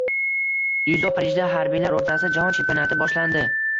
Dzyudo: Parijda harbiylar o‘rtasida jahon chempionati boshlanding